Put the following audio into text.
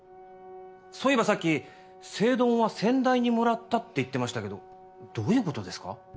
そういえばさっき聖丼は先代にもらったって言ってましたけどどういう事ですか？